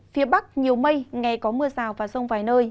phía bắc nhiều mây ngày có mưa rào và rông vài nơi